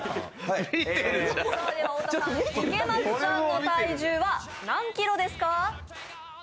池松さんの体重は何キロですか？